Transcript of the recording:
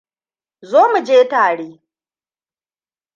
Zo mu je tare.